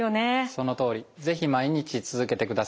そのとおり。是非毎日続けてください。